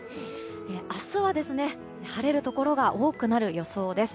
明日は晴れるところが多くなる予想です。